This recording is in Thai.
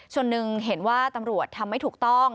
ส่วนหนึ่งเห็นว่าตำรวจทำไม่ถูกต้อง